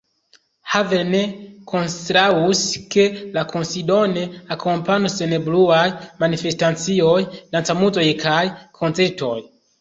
Havel ne kontraŭus, ke la kunsidon akompanu senbruaj manifestacioj, dancamuzoj kaj koncertoj.